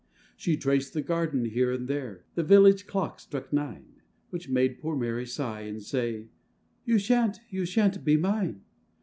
She traced the garden here and there, The village clock struck nine; Which made poor Mary sigh, and say, 'You shan't, you shan't be mine!